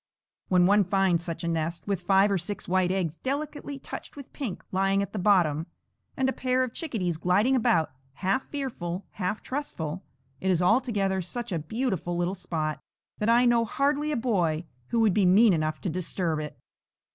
When one finds such a nest, with five or six white eggs delicately touched with pink lying at the bottom, and a pair of chickadees gliding about, half fearful, half trustful, it is altogether such a beautiful little spot that I know hardly a boy who would be mean enough to disturb it.